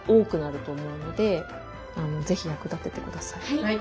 はい。